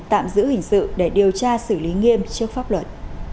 tạm giữ hình sự để điều tra xử lý nghiêm trước pháp luật